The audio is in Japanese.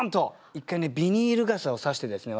一回ねビニール傘を差してですね